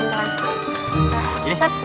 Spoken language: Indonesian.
ini ustadz silahkan